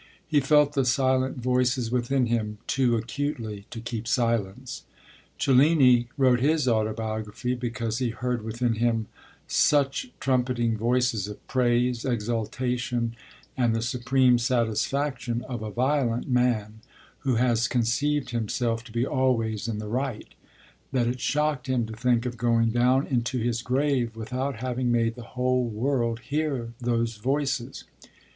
He felt the silent voices within him too acutely to keep silence. Cellini wrote his autobiography because he heard within him such trumpeting voices of praise, exultation, and the supreme satisfaction of a violent man who has conceived himself to be always in the right, that it shocked him to think of going down into his grave without having made the whole world hear those voices.